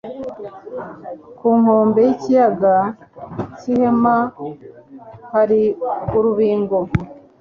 ku nkombe y'ikiyaga k'Ihema hari urubingo